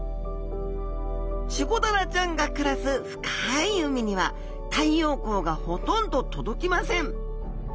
チゴダラちゃんが暮らす深い海には太陽光がほとんど届きません。